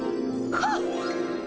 はっ！